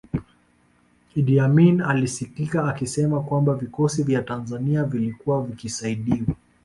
Idi Amin alisikika akisema kwamba vikosi vya Tanzania vilikuwa vikisaidiwa